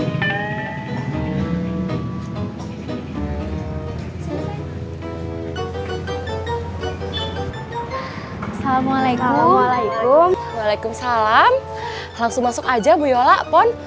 assalamualaikum waalaikumsalam langsung masuk aja bu yola pon